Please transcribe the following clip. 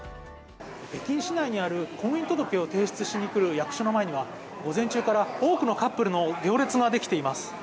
北京市内にある婚姻届を提出しに来る役所の前には午前中から多くのカップルの行列ができています。